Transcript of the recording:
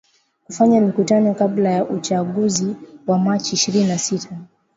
kufanya mikutano kabla ya uchaguzi wa machi ishirini na sita